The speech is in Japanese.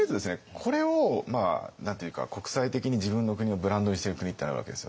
これを何て言うか国際的に自分の国をブランドにしてる国ってあるわけですよ。